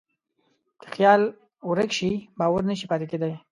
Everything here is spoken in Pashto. که خیال ورک شي، باور نهشي پاتې کېدی.